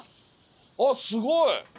あっすごい！